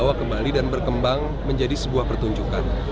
kita bawa ke bali dan berkembang menjadi sebuah pertunjukan